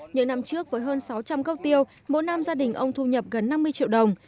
những năm trước với hơn sáu trăm linh gốc tiêu mỗi năm gia đình ông thu nhập gần năm mươi triệu đồng